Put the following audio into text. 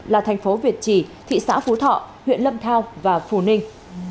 là thành phố việt trì thị xã phú thọ huyện lâm thao và phù ninh